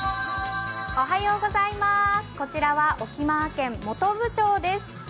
こちらは沖縄県本部町です。